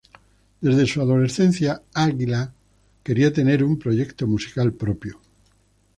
Desde su adolescencia, Águila quería tener un proyecto musical propio.